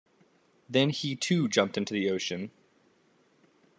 Then he too jumped into the ocean.